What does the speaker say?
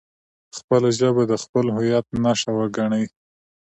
خپله ژبه د خپل هویت نښه وګڼئ.